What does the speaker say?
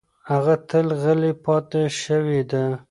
هغه تل غلې پاتې شوې ده.